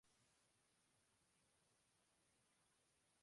明るく親しみやすいお兄さんキャラ